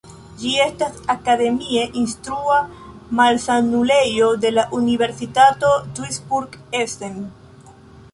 Ĝi estas akademie instrua malsanulejo de la Universitato Duisburg-Essen.